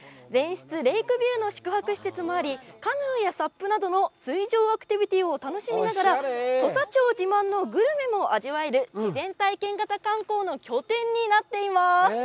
全室レイクビューの宿泊施設もあり、カヌーやサップなどの水上アクティビティを楽しみながら、土佐町自慢のグルメを味わえる自然体験型観光の拠点になっています。